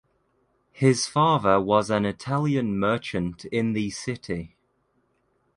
His father was an Italian merchant in the city.